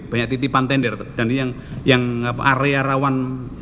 banyak titipan tender dan yang area rawan